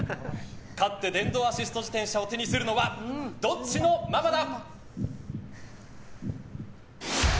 勝って電動アシスト自転車を手にするのはどっちのママだ？